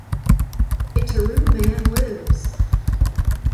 Gitaroo Man Lives!